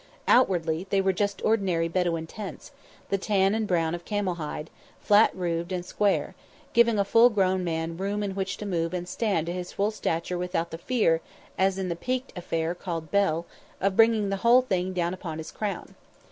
Outwardly they were just ordinary Bedouin tents, the tan and brown of camel hide; flat roofed and square, giving a full grown man room in which to move and stand to his full stature without the fear as in the peaked affair called bell of bringing the whole thing down upon his crown.